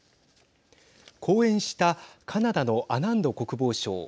講演したカナダのアナンド国防相。